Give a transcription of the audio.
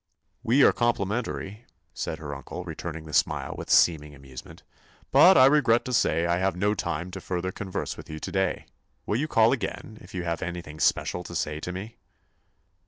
"We are complimentary," said her uncle, returning the smile with seeming amusement. "But I regret to say I have no time to further converse with you to day. Will you call again, if you have anything especial to say to me?"